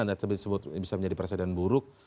anda sebut bisa menjadi presiden buruk